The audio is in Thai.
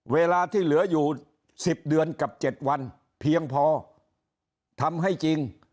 เวลาที่เหลืออยู่๑๐เดือนกับ๗วันเพียงพอทำให้จริง